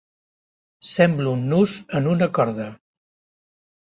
Sembla un nus en una corda.